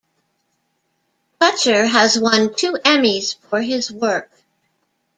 Toucher has won two Emmys for his work.